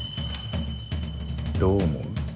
どう思う？